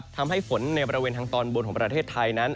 ทำให้ฝนในบริเวณทางตอนบนของประเทศไทยนั้น